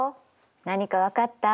何か分かった？